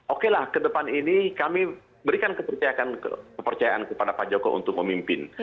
oke lah ke depan ini kami berikan kepercayaan kepada pak joko untuk memimpin